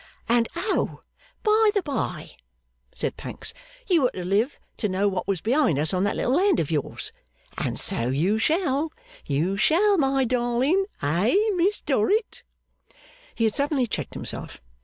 'And oh, by the bye!' said Pancks, 'you were to live to know what was behind us on that little hand of yours. And so you shall, you shall, my darling. Eh, Miss Dorrit?' He had suddenly checked himself.